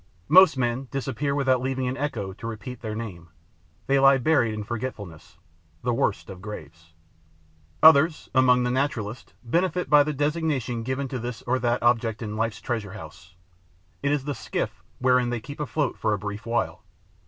Most men disappear without leaving an echo to repeat their name; they lie buried in forgetfulness, the worst of graves. Others, among the naturalists, benefit by the designation given to this or that object in life's treasure house: it is the skiff wherein they keep afloat for a brief while.